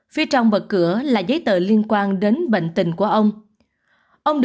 phía trong bật cửa là giấy tờ liên quan